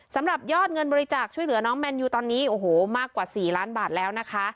สำหรับยอดเงินบริจาคช่วยเหลือน้องแมนยูตอนนี้โอ้โหมากกว่า๔ล้านบาทแล้วนะคะ